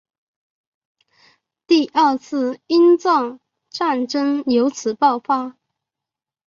第二次英藏战争由此爆发。